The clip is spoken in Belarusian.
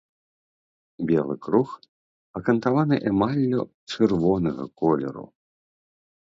Белы круг акантаваны эмаллю чырвонага колеру.